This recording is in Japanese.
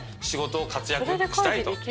仕事活躍したいと。